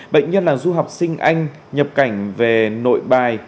bệnh nhân là du học sinh anh nhập cảnh về nội bài